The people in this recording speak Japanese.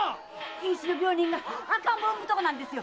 瀕死の病人が赤ん坊を産むとこなんですよ。